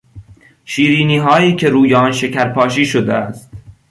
شیرینیهایی که روی آن شکر پاشی شده است